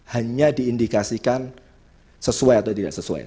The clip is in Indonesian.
hanya diindikasikan sesuai atau tidak sesuai